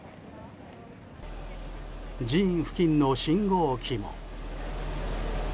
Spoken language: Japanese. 寺院付近の信号機も。